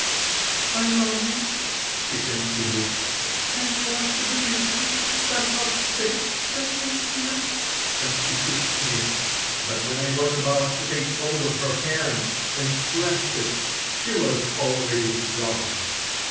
"I love you," she continued, "and you ought to believe me. Does not this convince you?" And she kissed me. But when I was about to take hold of her hand and press it—she was already gone.